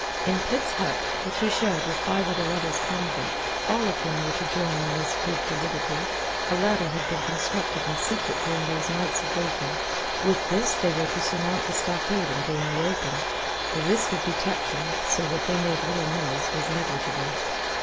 In Pitt's hut, which he shared with five other rebels convict, all of whom were to join in this bid for liberty, a ladder had been constructed in secret during those nights of waiting. With this they were to surmount the stockade and gain the open. The risk of detection, so that they made little noise, was negligible.